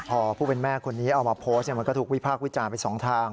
พอผู้เป็นแม่คนนี้เอามาโพสต์มันก็ถูกวิพากษ์วิจารณ์ไปสองทาง